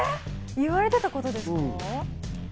言われてたことですか？